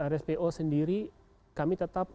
rspo sendiri kami tetap